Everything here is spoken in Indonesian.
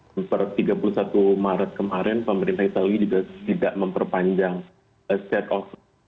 seperti tiga puluh satu maret kemarin pemerintah itali juga tidak memperpanjang state of